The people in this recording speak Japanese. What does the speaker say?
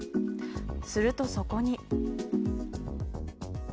するとそこに。